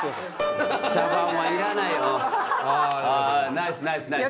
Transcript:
ナイスナイスナイス。